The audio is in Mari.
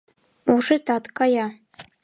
Ушетат кая!